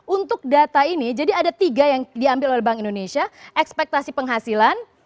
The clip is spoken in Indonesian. untuk data ini jadi ada tiga yang diambil oleh bank indonesia ekspektasi penghasilan